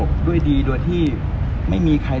คุณพี่ตะเนื้อข่าว